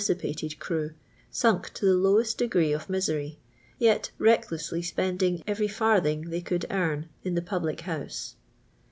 <tipated crew, sunk to the lowest degrit> of mivory, yet recklessly spending every farthing they could earn in the public house.